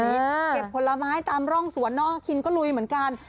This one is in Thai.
เก็บผลไม้ตามร่องสวนนอกคินก็ลุยเหมือนกัน